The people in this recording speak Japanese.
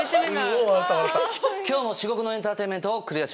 今日も至極のエンターテインメントを○△□×☆